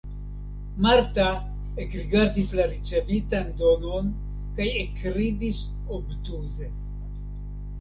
Marta ekrigardis la ricevitan donon kaj ekridis obtuze.